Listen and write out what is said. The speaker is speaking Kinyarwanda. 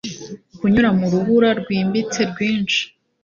kunyura mu rubura rwimbitse, rwinshi